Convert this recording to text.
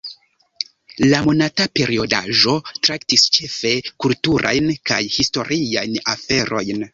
La monata periodaĵo traktis ĉefe kulturajn kaj historiajn aferojn.